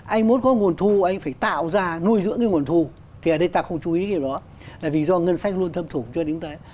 anh muốn có nguồn thu anh phải tạo ra nuôi dưỡng cái nguồn thu thì ở đây ta không chú ý cái điều đó là vì do ngân sách luôn thâm thủng chưa đến đấy